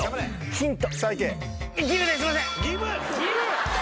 ヒント。